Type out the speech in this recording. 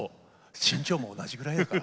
身長も同じぐらいやから。